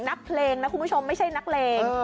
นักเพลงนะคุณผู้ชมไม่ใช่นักเลง